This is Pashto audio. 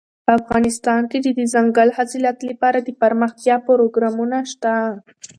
افغانستان کې د دځنګل حاصلات لپاره دپرمختیا پروګرامونه شته.